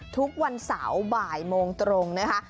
ทุกวันเสาร์บ่ายโมงตรงนะคะ